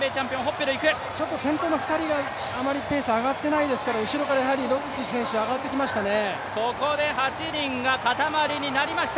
先頭の２人があまりペース上がっていないですから、後ろからロティッチ選手、上がってきましたね。